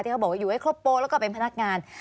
เขาบอกว่าอยู่ให้ครบโปรแล้วก็เป็นพนักงาน